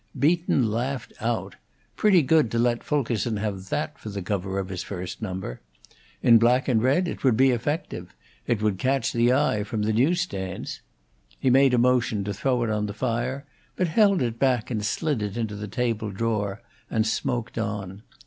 Beaton laughed out. Pretty good to let Fulkerson have that for the cover of his first number! In black and red it would be effective; it would catch the eye from the news stands. He made a motion to throw it on the fire, but held it back and slid it into the table drawer, and smoked on.